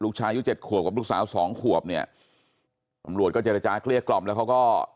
ชายุเจ็ดขวบกับลูกสาวสองขวบเนี่ยตำรวจก็เจรจาเกลี้ยกล่อมแล้วเขาก็